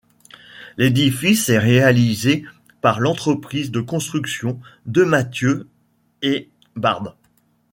L’édifice est réalisé par l’entreprise de construction Demathieu & Bard.